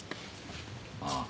ああ。